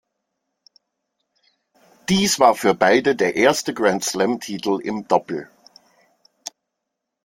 Dies war für beide der erste Grand-Slam-Titel im Doppel.